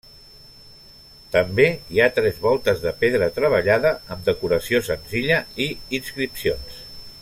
També hi ha tres voltes de pedra treballada, amb decoració senzilla i inscripcions.